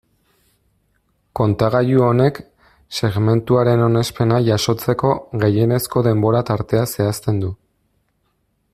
Kontagailu honek segmentuaren onespena jasotzeko gehienezko denbora tartea zehazten du.